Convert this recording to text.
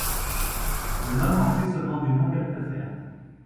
Le nomme en frissonnant du nom qu’elle préfère